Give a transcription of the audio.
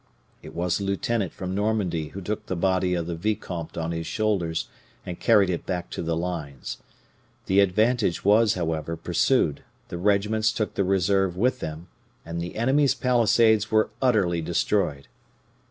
It was a lieutenant from Normandy who took the body of the vicomte on his shoulders and carried it back to the lines. The advantage was, however, pursued, the regiments took the reserve with them, and the enemy's palisades were utterly destroyed.